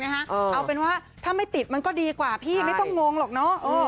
เอาเป็นว่าถ้าไม่ติดมันก็ดีกว่าพี่ไม่ต้องงงหรอกเนอะ